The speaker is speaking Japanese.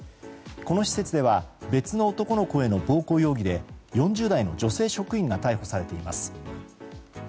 この施設では別の男の子への暴行疑惑で４０代の女性職員が逮捕されています。